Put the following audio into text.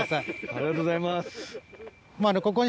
ありがとうございます。